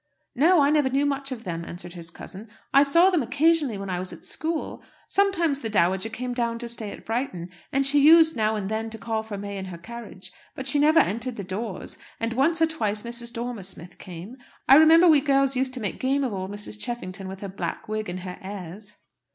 "No; I never knew much of them," answered his cousin. "I saw them occasionally when I was at school. Sometimes the dowager came down to stay at Brighton, and she used, now and then, to call for May in her carriage; but she never entered the doors. And once or twice Mrs. Dormer Smith came. I remember we girls used to make game of old Mrs. Cheffington with her black wig and her airs."